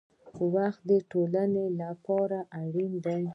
دولت د ټولنو لپاره اړین دی.